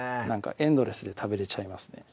エンドレスで食べれちゃいますね